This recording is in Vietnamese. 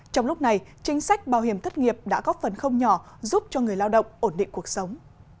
trong lúc này chính sách bảo hiểm thất nghiệp đã góp phần không nhỏ giúp cho người lao động ổn định cuộc sống